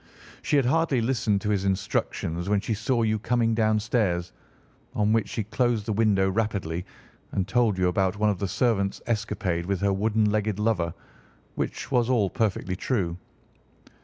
She had hardly listened to his instructions when she saw you coming downstairs, on which she closed the window rapidly and told you about one of the servants' escapade with her wooden legged lover, which was all perfectly true.